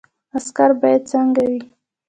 عسکر باید څنګه وي؟